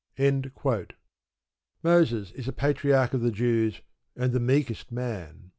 Moses is a patriarch of the Jews, and the meekest man.